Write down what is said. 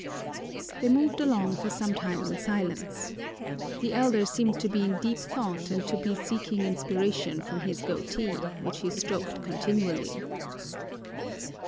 They moved along for some time in silence. The elder seemed to be in deep thought and to be seeking inspiration from his goatee, which he stroked continually.